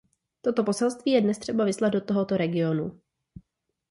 Toto poselství je dnes třeba vyslat do tohoto regionu.